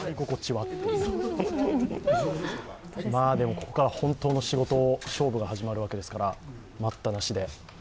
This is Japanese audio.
ここから本当の仕事、勝負が始まるわけですから待ったなしで。